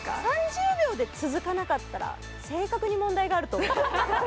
３０秒で続かなかったら性格に問題があると思う。